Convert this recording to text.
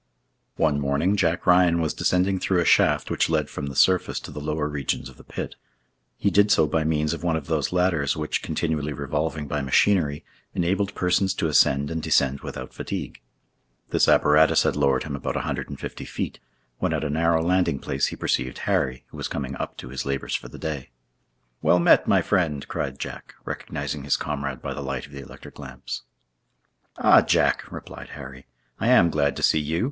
One morning Jack Ryan was descending through a shaft which led from the surface to the lower regions of the pit. He did so by means of one of those ladders which, continually revolving by machinery, enabled persons to ascend and descend without fatigue. This apparatus had lowered him about a hundred and fifty feet, when at a narrow landing place he perceived Harry, who was coming up to his labors for the day. "Well met, my friend!" cried Jack, recognizing his comrade by the light of the electric lamps. "Ah, Jack!" replied Harry, "I am glad to see you.